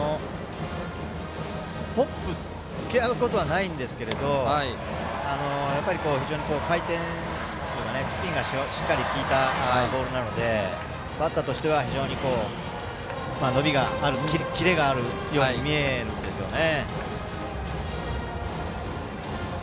ホップというか浮き上がることはないんですが非常に回転数がスピンがしっかり利いたボールなのでバッターとしては非常に伸びがある、キレがあるように見えるんですよね。